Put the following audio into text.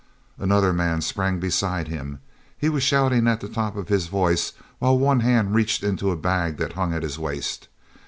Another man sprang beside him. He was shouting at the top of his voice while one hand reached into a bag that hung at his waist.